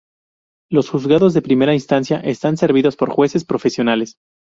Los juzgados de primera instancia están servidos por jueces profesionales.